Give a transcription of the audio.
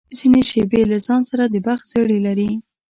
ځینې شېبې له ځان سره د بخت زړي لري.